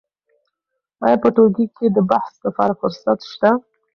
آیا په ټولګي کې د بحث لپاره فرصت شته؟